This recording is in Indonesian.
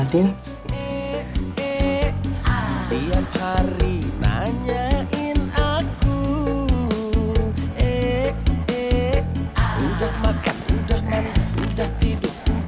terima kasih ya tin